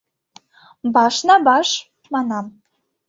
Баш на баш! — манам.